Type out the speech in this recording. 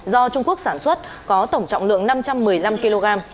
do trung quốc sản xuất có tổng trọng lượng năm trăm một mươi năm kg